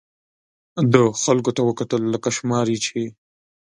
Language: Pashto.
ده خلکو ته وکتل، لکه شماري یې چې.